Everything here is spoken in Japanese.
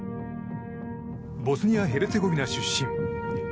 ボスニア・ヘルツェゴビナ出身。